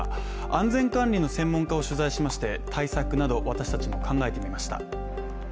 安全管理の専門家を取材しまして対策など、私たちも考えてみました。